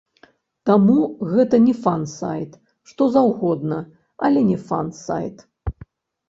Таму гэта не фан-сайт, што заўгодна, але не фан-сайт.